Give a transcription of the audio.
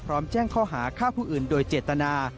แจ้งข้อหาฆ่าผู้อื่นโดยเจตนา